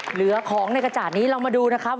เหลือของในกระจาดนี้เรามาดูนะครับ